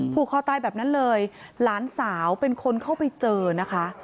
ผูกคอตายแบบนั้นเลยหลานสาวเป็นคนเข้าไปเจอนะคะ